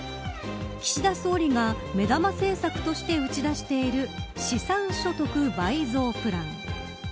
岸田総理が目玉政策として打ち出している資産所得倍増プラン。